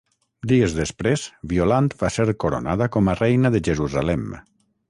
Dies després, Violant va ser coronada com a Reina de Jerusalem.